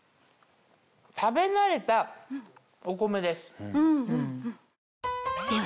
食べ慣れたお米です。